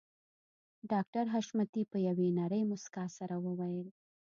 ډاکټر حشمتي په يوې نرۍ مسکا سره وويل